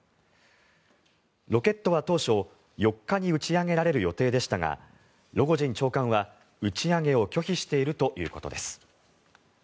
ロケットは当初、４日に打ち上げられる予定でしたがロゴジン長官は打ち上げを拒否しているということです。